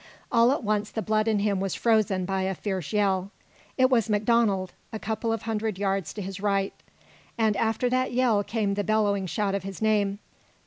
All at once the blood in him was frozen by a fierce yell. It was MacDonald, a couple of hundred yards to his right, and after that yell came the bellowing shout of his name.